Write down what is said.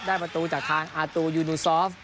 ประตูจากทางอาตูยูนูซอฟ